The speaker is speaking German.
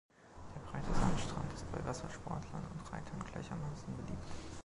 Der breite Sandstrand ist bei Wassersportlern und Reitern gleichermaßen beliebt.